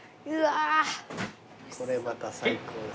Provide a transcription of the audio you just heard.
これまた最高です。